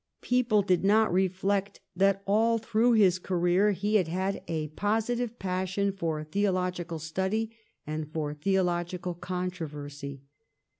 People did not reflect that all through his career he had a positive passion for theologi cal study and for theological controversy.